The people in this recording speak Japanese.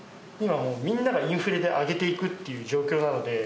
今、もうみんながインフレで、上げていくっていう状況なので。